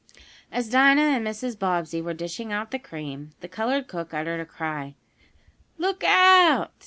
As Dinah and Mrs. Bobbsey were dishing out the cream, the colored cook uttered a cry. "Look out!"